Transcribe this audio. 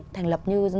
thành lập công ty